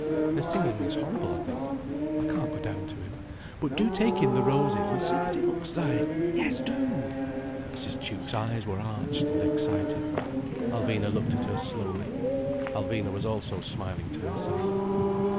Their singing is horrible, I think. I can't go down to him. But do take him the roses, and see what he looks like. Yes do!" Mrs. Tuke's eyes were arched and excited. Alvina looked at her slowly. Alvina also was smiling to herself.